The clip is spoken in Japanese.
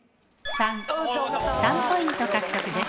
３ポイント獲得です。